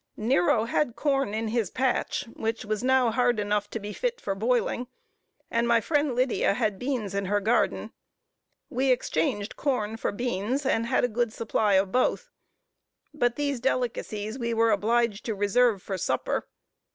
Nero had corn in his patch, which was now hard enough to be fit for boiling, and my friend Lydia had beans in her garden. We exchanged corn for beans, and had a good supply of both; but these delicacies we were obliged to reserve for supper.